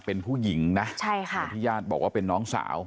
เป็นผู้หญิงนะใช่ค่ะที่ญาติบอกว่าเป็นน้องสาว